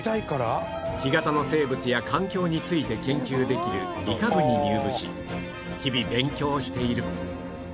干潟の生物や環境について研究できる理科部に入部し日々勉強している